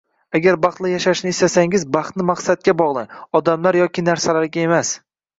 Agar baxtli yashashni istasangiz baxtni maqsadga bog’lang, odamlar yoki narsalarga emas